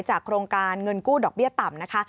โครงการเงินกู้ดอกเบี้ยต่ำนะคะ